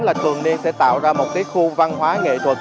là thường niên sẽ tạo ra một cái khu văn hóa nghệ thuật